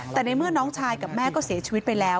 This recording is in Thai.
แต่ในเมื่อน้องชายกับแม่ก็เสียชีวิตไปแล้ว